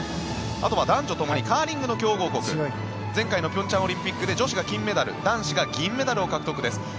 あとは男女ともにカーリングの強豪国前回の平昌オリンピックで女子が金メダル男子が銀メダルを獲得です。